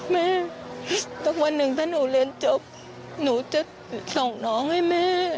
สักวันหนึ่งถ้าหนูเรียนจบหนูจะส่งน้องให้แม่